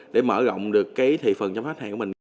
để mở rộng được thị phần trong khách hàng của mình